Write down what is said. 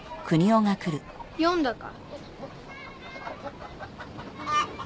読んだか？